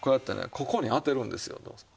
ここに当てるんですよ堂さん。